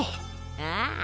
ああ。